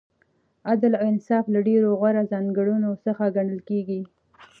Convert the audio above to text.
عدل او انصاف له ډېرو غوره ځانګړنو څخه ګڼل کیږي.